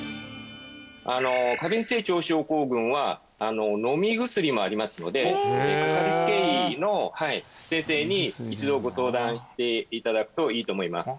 過敏性腸症候群は飲み薬もありますのでかかりつけ医の先生に一度ご相談していただくといいと思います